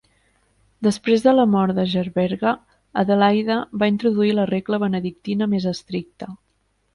Després de la mort de Gerberga, Adelaide va introduir la regla benedictina més estricta.